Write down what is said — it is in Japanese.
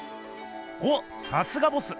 おっさすがボス！